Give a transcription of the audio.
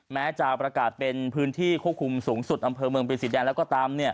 แม้จะประกาศเป็นพื้นที่ควบคุมสูงสุดอำเภอเมืองเป็นสีแดงแล้วก็ตาม